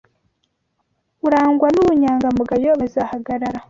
urangwa n’ubunyangamugayo, bazahagarara